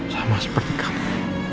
sama seperti kamu